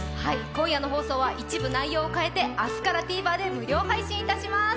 今夜の放送は一部内容を変えて明日からＴＶｅｒで無料配信いたします。